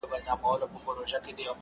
کښتۍ وان ویل مُلا لامبو دي زده ده؟؛